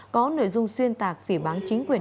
có nội dung xuyên tạc phỉ bán chính quyền